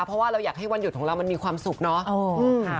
เพราะว่าเราอยากให้วันหยุดของเรามันมีความสุขเนาะ